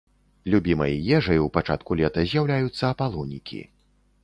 Любімай ежай у пачатку лета з'яўляюцца апалонікі.